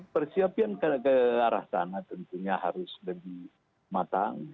persiapan ke arah sana tentunya harus lebih matang